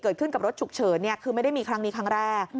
เกิดขึ้นกับรถฉุกเฉินคือไม่ได้มีครั้งนี้ครั้งแรก